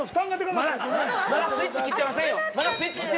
まだスイッチ切ってないって！